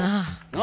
何？